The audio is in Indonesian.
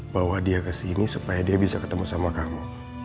bawa dia kesini supaya dia bisa ketemu sama kamu